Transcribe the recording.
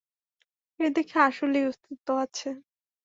এর দেখি আসলেই অস্তিত্ব আছে।